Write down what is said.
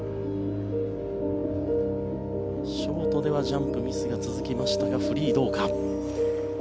ショートではジャンプのミスが続きましたがフリーはどうか。